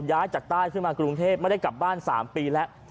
ย้ายจากใต้ขึ้นมากรุงเทพไม่ได้กลับบ้าน๓ปีแล้ว